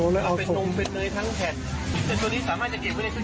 ลักษณะจะออกเป็นแท่ง